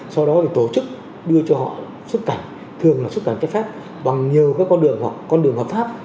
sau đó tổ chức đưa cho họ xuất cảnh thường là xuất cảnh kết phép bằng nhiều con đường hoặc con đường hợp pháp